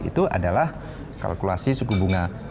itu adalah kalkulasi suku bunga